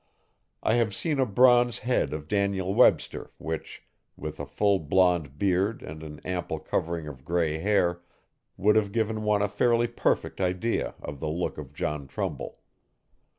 I have seen a bronze head of Daniel Webster which, with a full blonde beard and an ample covering of grey hair would have given one a fairly perfect idea of the look of John Trumbull.